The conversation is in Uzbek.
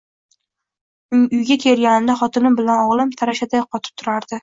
Uyga kelganimda xotinim bilan o’g’lim tarashaday qotib yotardi.